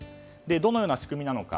どのような仕組みか。